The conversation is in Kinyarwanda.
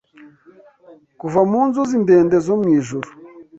Kuva mu nzuzi ndende zo mwijuru